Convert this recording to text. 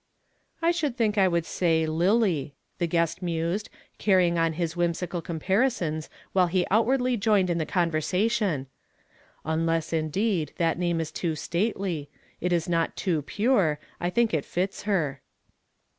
" I tliink I should say ' lily,' " tlie guest mused, carrying on his whimsical comparisons while lie outwardly joined in the conversation, " uidess, indeed, that name is too stately. It is iiot too pure. I think it fits her."